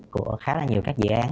của khá là nhiều các dự án